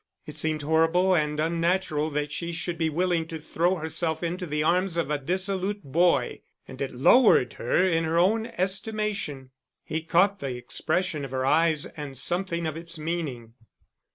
It seemed horrible and unnatural that she should be willing to throw herself into the arms of a dissolute boy, and it lowered her in her own estimation. He caught the expression of her eyes, and something of its meaning.